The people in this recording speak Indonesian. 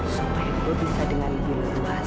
supaya lo bisa dengan ilu tuas